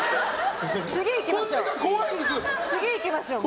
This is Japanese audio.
次いきましょう。